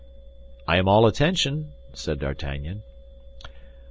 "I am all attention," said D'Artagnan.